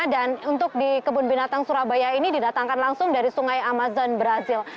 dan untuk di kebun binatang surabaya ini didatangkan langsung dari sungai amazon brazil